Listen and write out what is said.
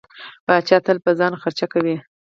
پاچا تل په ځان خرچه کوي.